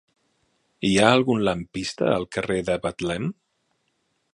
Hi ha algun lampista al carrer de Betlem?